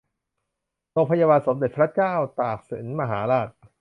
โรงพยาบาลสมเด็จพระเจ้าตากสินมหาราช